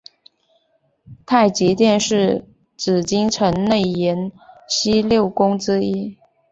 太极殿是紫禁城内廷西六宫之一。